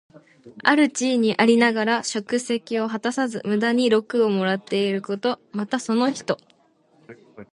ある地位にありながら職責を果たさず、無駄に禄をもらっていること。また、その人。